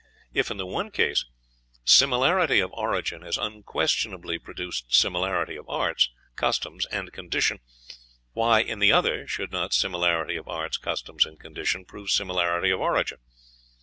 If, in the one case, similarity of origin has unquestionably produced similarity of arts, customs, and condition, why, in the other, should not similarity of arts, customs, and condition prove similarity of origin?